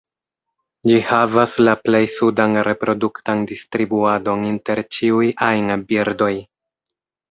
Ĝi havas la plej sudan reproduktan distribuadon inter ĉiuj ajn birdoj.